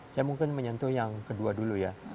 saya mungkin menyentuh yang kedua dulu ya